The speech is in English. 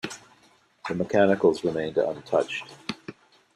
The mechanicals remained untouched.